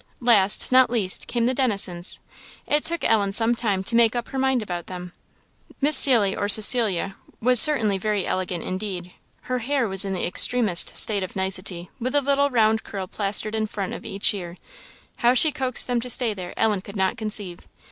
Last, not least, came the Dennisons; it took Ellen some time to make up her mind about them. Miss Cilly, or Cecilia, was certainly very elegant indeed. Her hair was in the extremest state of nicety, with a little round curl plastered in front of each ear; how she coaxed them to stay there, Ellen could not conceive.